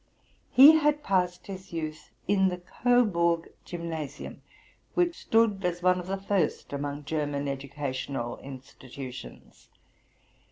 He had passed his youth in the Coburg Gymnasium, which stood as one of the first among German educational institutions.